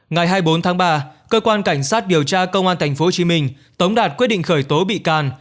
ngày hai mươi bốn tháng ba cơ quan cảnh sát điều tra công an tp hcm tống đạt quyết định khởi tố bị can